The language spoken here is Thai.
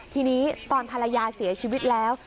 ทีนี้ตอนภรรยาเสียชีวิตแล้ว